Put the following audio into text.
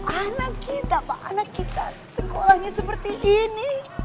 anak kita pak anak kita sekolahnya seperti ini